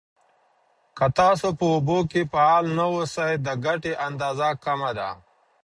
که تاسو په اوبو کې فعال نه اوسئ، د ګټې اندازه کمه ده.